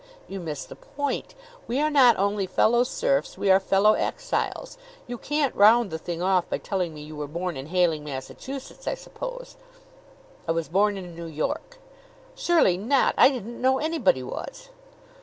"You miss the point. We are not only fellow serfs we are fellow exiles. You can't round the thing off by telling me you were born in Hayling, Massachusetts, I suppose?" "I was born in New York." "Surely not! I didn't know anybody was."